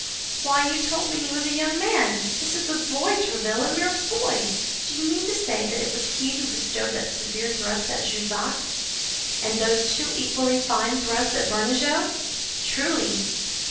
"Why, you told me he was a young man? This is a boy, Tréville, a mere boy! Do you mean to say that it was he who bestowed that severe thrust at Jussac?" "And those two equally fine thrusts at Bernajoux." "Truly!"